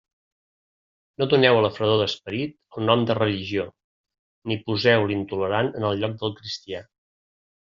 No doneu a la fredor d'esperit el nom de religió; ni poseu l'intolerant en el lloc del cristià.